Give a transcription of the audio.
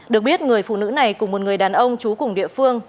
được biết người phụ nữ này cùng một người đàn ông trú cùng địa phương